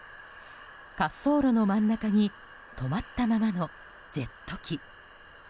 滑走路の真ん中に止まったままのジェット機。